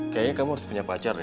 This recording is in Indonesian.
kayaknya kamu harus punya pacar ya